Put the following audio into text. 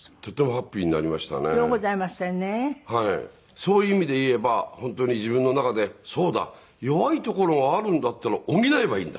そういう意味で言えば本当に自分の中でそうだ弱いところがあるんだったら補えばいいんだ。